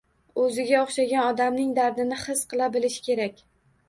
O'ziga o'xshagan odamning dardini his qila bilish kerak